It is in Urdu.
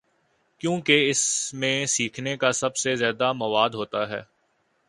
کیونکہ اس میں سیکھنے کا سب سے زیادہ مواد ہو تا ہے۔